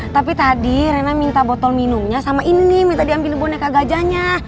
tapi tadi rena minta botol minumnya sama ini minta diambil boneka gajahnya